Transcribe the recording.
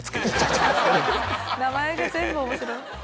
名前が全部面白い。